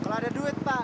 kalo ada duit pak